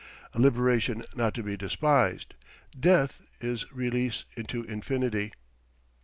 A liberation not to be despised. Death is release into infinity.